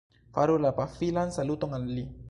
Faru la pafilan saluton al li